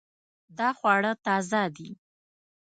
دا خواړه تازه دي